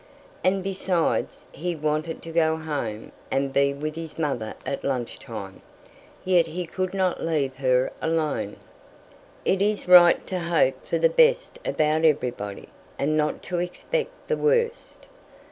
And besides, he wanted to go home, and be with his mother at lunch time. Yet he could not leave her alone. "It is right to hope for the best about everybody, and not to expect the worst.